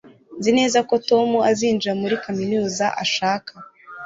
Nzi neza ko Tom azinjira muri kaminuza ashaka